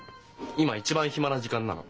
今一番暇な時間なの。